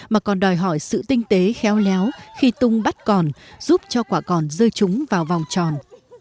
mà còn đòi hỏi sự tinh tế khéo léo khi tung bắt còn giúp cho quả còn rơi trúng vào vòng tròn